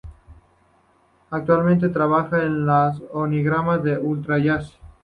Actualmente trabaja en el organigrama de los Utah Jazz.